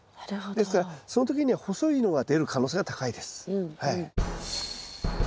ですからその時には細いのが出る可能性が高いです。